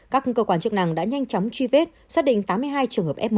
các cơ quan chức năng đã nhanh chóng truy vết xác định tám mươi hai trường hợp f một